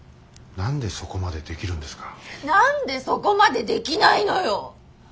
何でそこまでできないのよ！